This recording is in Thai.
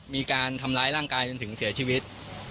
มีการทำร้ายร่างกายจนถึงเสียชีวิต